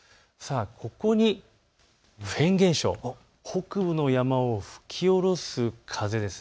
ここにフェーン現象、北部の山を吹き降ろす風です。